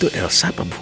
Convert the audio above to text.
itu elsa apa benar una